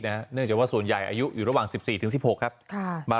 เนื่องจากว่าส่วนใหญ่อายุอยู่ระหว่าง๑๔๑๖ครับ